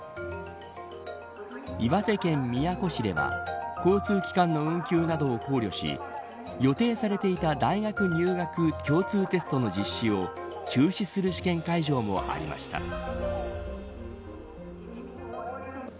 岩手県宮古市では交通機関の運休などを考慮し予定されていた大学入学共通テストの実施を中止する試験会場もありました。